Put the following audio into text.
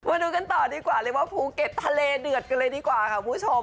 มาดูกันต่อดีกว่าเลยว่าภูเก็ตทะเลเดือดกันเลยดีกว่าค่ะคุณผู้ชม